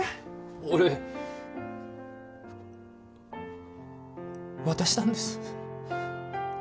俺渡したんです